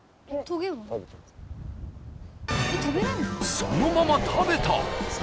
そのまま食べた！